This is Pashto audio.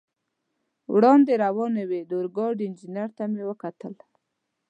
وړاندې روانې وې، د اورګاډي انجنیر ته مې وکتل.